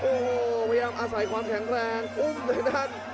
โอ้โหพยายามอาศัยความแข็งแรงอุ้มในด้าน